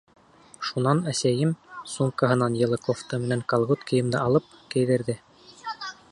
Шунан әсәйем, сумкаһынан йылы кофта менән колготкийымды алып, кейҙерҙе.